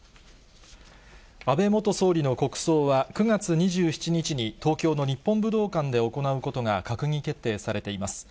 安倍元総理の国葬は、９月２７日に、東京の日本武道館で行うことが閣議決定されています。